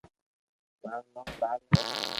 مارو نوم لال ھي